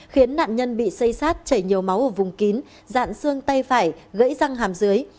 khiến nạn nhân bị xây sát chảy nhiều máu ở vùng kín dạn xương tay phải gãy răng hàm dưới